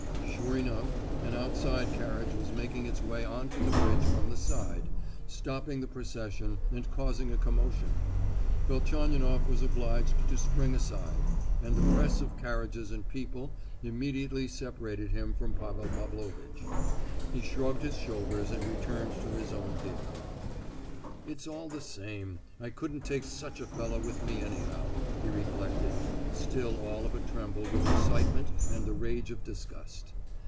Sure enough, an outside carriage was making its way on to the bridge from the side, stopping the procession, and causing a commotion. Velchaninoff was obliged to spring aside, and the press of carriages and people immediately separated him from Pavel Pavlovitch. He shrugged his shoulders and returned to his own vehicle. "It's all the same. I couldn't take such a fellow with me, anyhow," he reflected, still all of a tremble with excitement and the rage of disgust.